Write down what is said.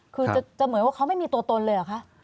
คือจะเหมือนว่าเขาไม่มีตัวตนเลยเหรอคะ